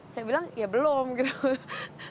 saya bilang ya belum gitu